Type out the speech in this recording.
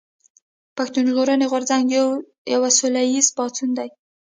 پښتون ژغورني غورځنګ يو سوله ايز پاڅون دي